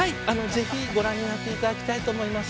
ぜひご覧になっていただきたいと思います。